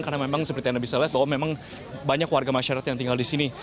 sehingga memang tidak dapat dilaksanakan karena memang banyak warga masyarakat yang tinggal di sini